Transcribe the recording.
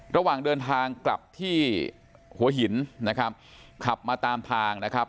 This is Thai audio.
ระหว่างเดินทางกลับที่หัวหินนะครับขับมาตามทางนะครับ